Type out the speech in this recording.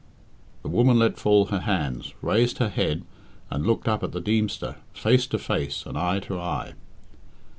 The woman let fall her hands, raised her head, and looked up at the Deemster, face to face and eye to eye.